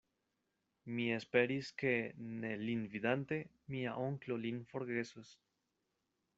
Mi esperis, ke, ne lin vidante, mia onklo lin forgesos.